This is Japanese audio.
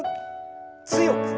強く。